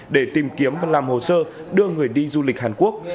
để tìm kiếm và làm hồ sơ đưa người đi du lịch hàn quốc